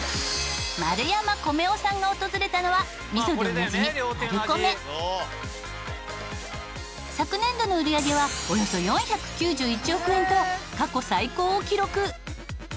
マル山コメ男さんが訪れたのは昨年度の売り上げはおよそ４９１億円と過去最高を記録。